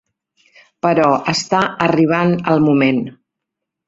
Però està arribant el moment.